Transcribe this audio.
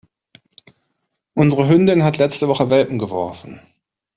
Unsere Hündin hat letzte Woche Welpen geworfen.